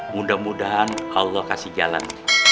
mudah mudahan allah kasih jalan